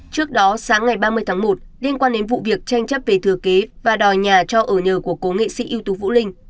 trước đó sáng ngày ba mươi tháng một liên quan đến vụ việc tranh chấp về thừa kế và đòi nhà cho ở nhờ của cố nghệ sĩ ưu tú vũ linh